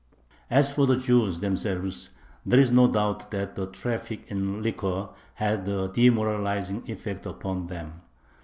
As for the Jews themselves, there is no doubt that the traffic in liquor had a demoralizing effect upon them.